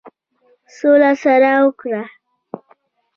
سوله سره وکړه.